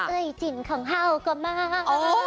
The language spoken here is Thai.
เอ้ยจินของเห่ากว่ามาก